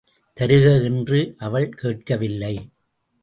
தருக என்று அவள் கேட்கவில்லை.